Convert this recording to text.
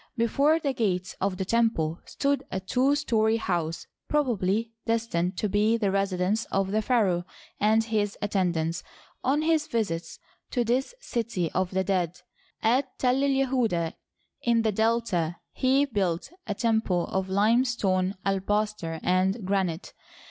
Before the gates of the temple stood a two story house, probably destined to be the residence of the pharaoh and his attendants on his visits to this city of the dead. At Tell el Yehuda, in the Delta, he built a temple of lime stone, alabaster, and granite.